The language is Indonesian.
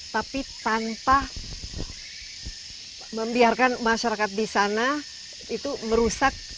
tapi tanpa membiarkan masyarakat di sana itu merusak